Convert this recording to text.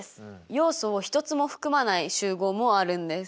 要素を１つも含まない集合もあるんです。